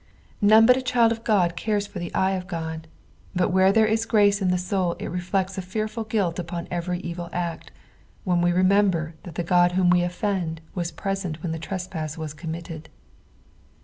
None but a child of God eares for the eye of God, but where there is prace in the soul it reflects n fearful guilt upon every evil act, when we remember that the God whom we offend whs present when Ihe trespnas was committed.